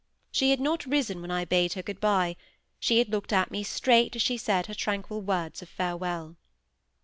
She had not risen when I bade her good by; she had looked at me straight as she said her tranquil words of farewell.